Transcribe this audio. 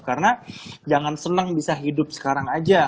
karena jangan senang bisa hidup sekarang saja